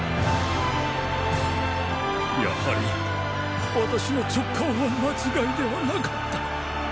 やはり私の直感は間違いではなかった。